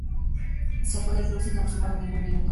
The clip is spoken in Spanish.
Se fue del club sin haber sumado ningún minuto.